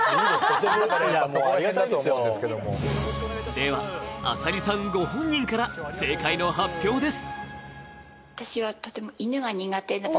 では、浅利さんご本人から正解の発表です。